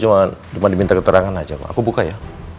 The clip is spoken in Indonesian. cuman diminta keterangan aja aku buka ya